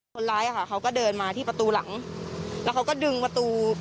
คนร้ายอะค่ะเขาก็เดินมาที่ประตูหลังแล้วเขาก็ดึงประตู